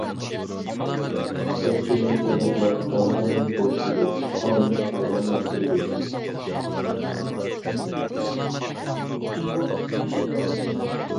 ئۆپكىنى سىلىقلاپ بەلغەمنى بوشىتىدۇ، تالنى ساغلاملاشتۇرىدۇ.